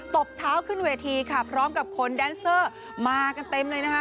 บเท้าขึ้นเวทีค่ะพร้อมกับคนแดนเซอร์มากันเต็มเลยนะคะ